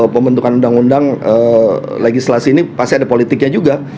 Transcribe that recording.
pembentukan undang undang legislasi ini pasti ada politiknya juga